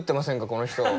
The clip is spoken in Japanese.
この人。